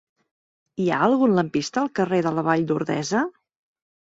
Hi ha algun lampista al carrer de la Vall d'Ordesa?